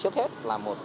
trước hết là một lý do